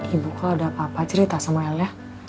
ibu kok ada apa apa cerita sama el ya